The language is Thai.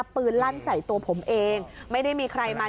ลั่นใส่ตัวผมเองไม่ได้มีใครมา